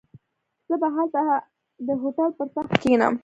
زه به هلته د هوټل پر تخت کښېنم.